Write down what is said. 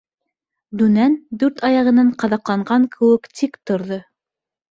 Дүнән дүрт аяғынан ҡаҙаҡланған кеүек тик торҙо.